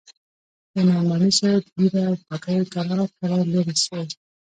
د نعماني صاحب ږيره او پګړۍ کرار کرار لرې سوې.